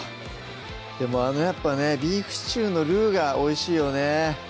でもやっぱねビーフシチューのルウがおいしいよね